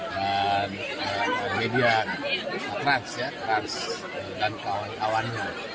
dan media trans ya trans dan kawan kawannya